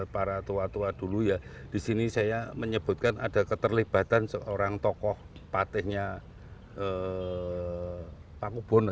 para tua tua dulu ya disini saya menyebutkan ada keterlibatan seorang tokoh patehnya pakubono